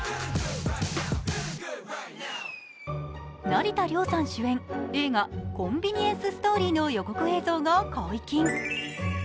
成田凌さん主演映画「コンビニエンス・ストーリー」の予告映像が解禁。